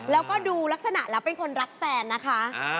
แล้วก็ดูลักษณะแล้วเป็นคนรักแฟนนะคะ